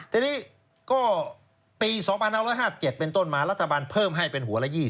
ทีนี้ก็ปี๒๕๕๗เป็นต้นมารัฐบาลเพิ่มให้เป็นหัวละ๒๐